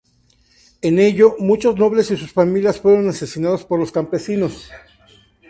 En ello, muchos nobles y sus familias fueron asesinados por los campesinos.